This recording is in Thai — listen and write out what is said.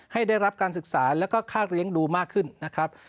ให้ได้รับการศึกษาแล้วก็ค่าเลี้ยงดูมากขึ้นนะครับ